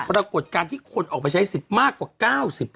ปรากฏการณ์ที่คนออกมาใช้สิทธิ์มากกว่า๙๐